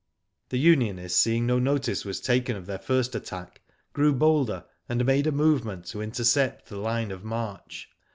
The unionists, seeing no notice was taken of their first attack, grew bolder, and made a move ment to intercept the line of march.